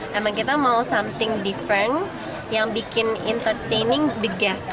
memang kita mau something different yang bikin entertaining the gast